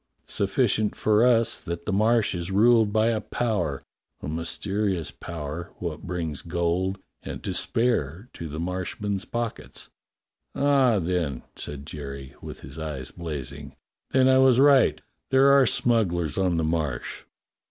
Sufficient for us that the Marsh is ruled by a power, a mysterious power, wot brings gold and to spare to the Marshmen's pockets." "Ah, then," said Jerry, with his eyes blazing, "then I was right. There are smugglers on the Marsh."